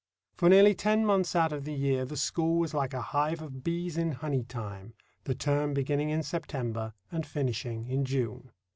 For nearly ten months out of the year the school was like a hive of bees in honey time—the term beginning in September and finishing in June.